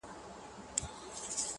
موږ ددې ښار دېوالونه بې شعوره